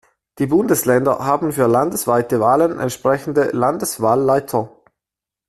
Die Bundesländer haben für landesweite Wahlen entsprechend Landeswahlleiter.